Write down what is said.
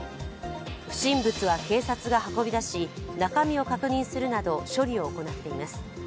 不審物は警察が運び出し、中身を確認するなど処理を行っています。